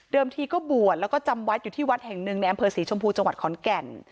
ทีก็บวชแล้วก็จำวัดอยู่ที่วัดแห่งหนึ่งในอำเภอศรีชมพูจังหวัดขอนแก่น